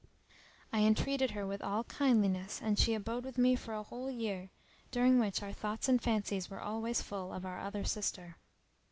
I entreated her with all kindliness and she abode with me a whole year, during which our thoughts and fancies were always full of our other sister.